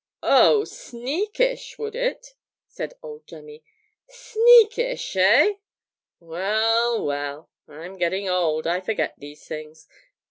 'Oh, "sneakish," would it?' said old Jemmy. '"Sneakish," eh? Well, well, I'm getting old, I forget these things.